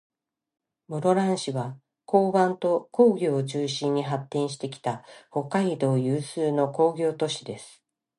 室蘭市は、港湾と工業を中心に発展してきた、北海道有数の工業都市です。